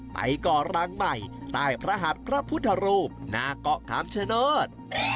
ก่อรังใหม่ใต้พระหัดพระพุทธรูปหน้าเกาะคำชโนธ